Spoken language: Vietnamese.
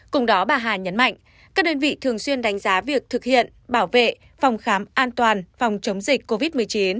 cùng đó bà hà nhấn mạnh các đơn vị thường xuyên đánh giá việc thực hiện bảo vệ phòng khám an toàn phòng chống dịch covid một mươi chín